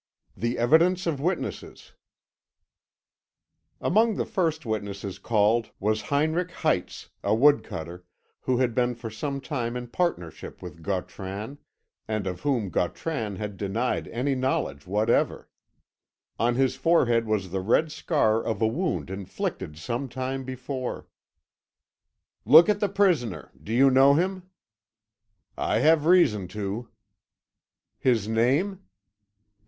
THE EVIDENCE OF WITNESSES Among the first witnesses called was Heinrich Heitz, a wood cutter, who had been for some time in partnership with Gautran, and of whom Gautran had denied any knowledge whatever. On his forehead was the red scar of a wound inflicted some time before. "Look at the prisoner. Do you know him?" "I have reason to." "His name?"